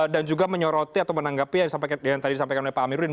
dan juga menyoroti atau menanggapi yang tadi disampaikan oleh pak amirudin